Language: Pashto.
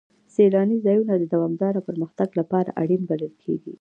سیلاني ځایونه د دوامداره پرمختګ لپاره اړین بلل کېږي.